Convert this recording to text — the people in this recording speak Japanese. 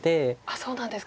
そうなんですか。